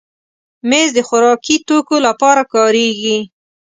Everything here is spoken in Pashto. مېز د خوراکي توکو لپاره کارېږي.